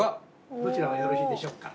どちらがよろしいでしょうか？